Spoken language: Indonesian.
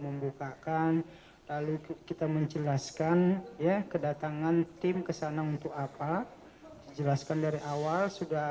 membukakan lalu kita menjelaskan ya kedatangan tim kesana untuk apa jelaskan dari awal sudah